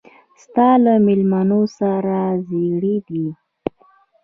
ستا له مېلمنو سره زېري دي.